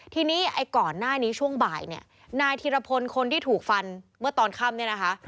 ทีนี้ไอ้ก่อนหน้านี้ช่วงบ่ายเนี่ยนายธีรพลคนที่ถูกฟันเมื่อตอนค่ำเนี่ยนะคะ